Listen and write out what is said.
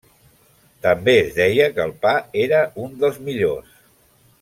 També es deia que el pa era un dels millors.